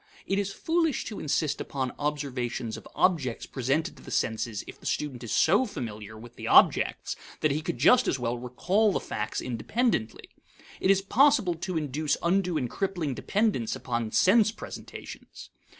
It is foolish to insist upon observation of objects presented to the senses if the student is so familiar with the objects that he could just as well recall the facts independently. It is possible to induce undue and crippling dependence upon sense presentations.